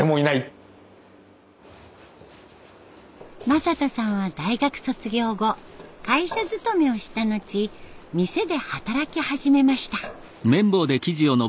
正人さんは大学卒業後会社勤めをした後店で働き始めました。